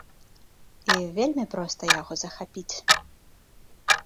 І вельмі проста яго захапіць.